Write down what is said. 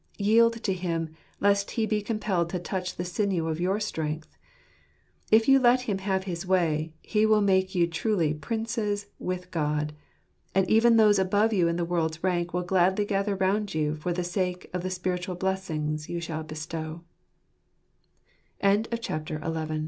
Yield to Him, lest He be compelled to touch the sinew of your strength. If you let Him have his way, He will make you truly Princes with God ; and even those above you in this world's rank will gladly gather round you for the sake of the spiritual blessings you sha